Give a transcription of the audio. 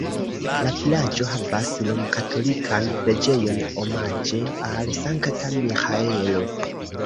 La vilaĝo havas romkatolikan preĝejon omaĝe al Sankta Miĥaelo.